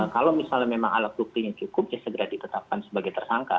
kalau misalnya memang alat buktinya cukup ya segera ditetapkan sebagai tersangka